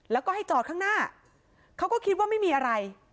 แล้วก็ให้จอดข้างหน้าเขาก็คิดว่าไม่มีอะไร